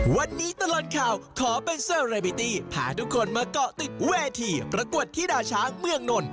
วันนี้ตลอดข่าวขอเป็นเซอร์เรบิตี้พาทุกคนมาเกาะติดเวทีประกวดที่ด่าช้างเมืองนนท